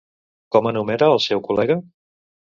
Com anomena al seu col·lega?